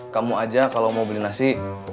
kamu aja kalau mau beli nasi